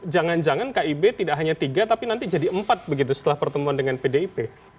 jangan jangan kib tidak hanya tiga tapi nanti jadi empat begitu setelah pertemuan dengan pdip